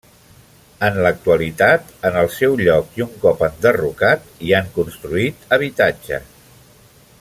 En l'actualitat, en el seu lloc i un cop enderrocat, hi han construït habitatges.